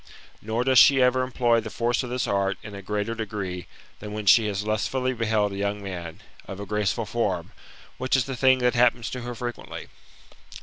Nor does she ever employ the force of this art in a greater degree, than when she has lustfully beheld a young man, of a graceful form, which is a thing that happens to her frequently.